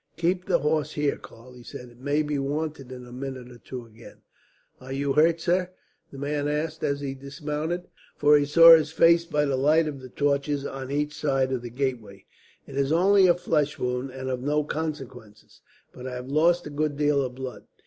"Keep the horse here, Karl," he said. "It may be wanted in a minute or two again." "Are you hurt, sir?" the man asked as he dismounted, for he saw his face by the light of the torches on each side of the gateway. "It is only a flesh wound, and of no consequence; but I have lost a good deal of blood."